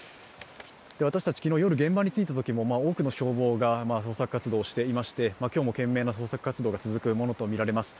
私たち昨日、夜現場に着いたときもう多くの消防が捜索活動していまして今日も懸命な捜索活動が行われるものとみられます。